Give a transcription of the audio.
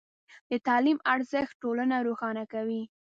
د تعلیم ارزښت ټولنه روښانه کوي.